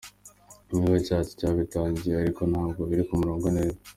Igihugu cyacu cyarabitangiye ariko ntabwo biri ku murongo neza.